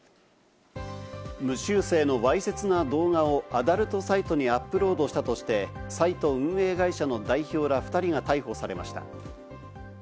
無修正のわいせつな動画をアダルトサイトにアップロードしたとして、サイト運営会社の代表ら２人が逮捕されました。